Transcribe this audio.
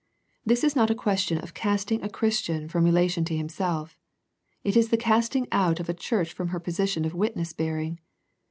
This is not a question of casting a Christian from relation to Himself. It is the casting out of a church from her position of witness bearing.